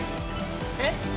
えっ？